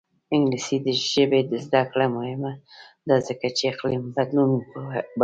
د انګلیسي ژبې زده کړه مهمه ده ځکه چې اقلیم بدلون پوهوي.